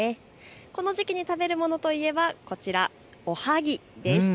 この時期に食べるものといえばこちら、おはぎです。